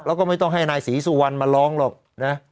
แล้วก็ไม่ต้องให้นายศรีสุวรรณมาร้องหรอกนะ